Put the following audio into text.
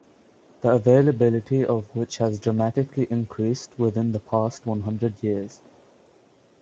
The availability of which has dramatically increased within the past one hundred years.